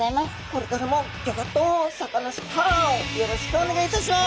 これからも「ギョギョッとサカナ★スター」をよろしくお願いいたします。